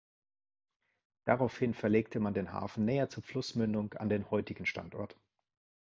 Daraufhin verlegte man den Hafen näher zur Flussmündung an den heutigen Standort.